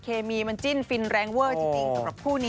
เคมีมันจิ้นฟินแรงเวอร์จริงสำหรับคู่นี้